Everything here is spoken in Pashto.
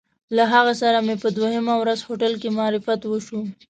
له هغه سره مې په دویمه ورځ هوټل کې معرفت وشو.